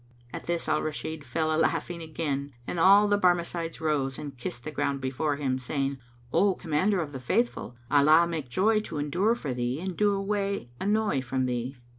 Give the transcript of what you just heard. At this Al Rashid fell a laughing again and all the Barmecides rose and kissed the ground before him, saying, "O Commander of the Faithful, Allah make joy to endure for thee and do away annoy from thee!